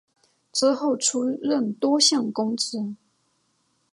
之后出任多项公职。